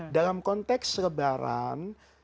dalam konteks lebaran